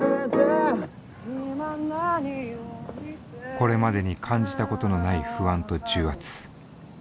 これまでに感じたことのない不安と重圧。